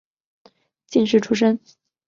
进士出身。